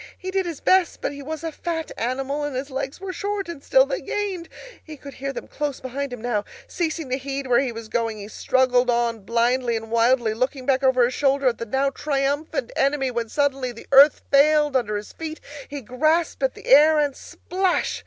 He did his best, but he was a fat animal, and his legs were short, and still they gained. He could hear them close behind him now. Ceasing to heed where he was going, he struggled on blindly and wildly, looking back over his shoulder at the now triumphant enemy, when suddenly the earth failed under his feet, he grasped at the air, and, splash!